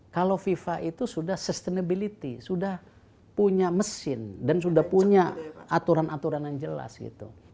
kalau fifa itu sudah sustainability sudah punya mesin dan sudah punya aturan aturan yang jelas gitu